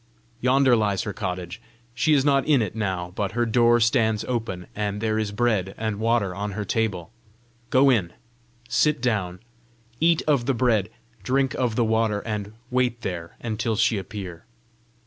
Yonder lies her cottage. She is not in it now, but her door stands open, and there is bread and water on her table. Go in; sit down; eat of the bread; drink of the water; and wait there until she appear.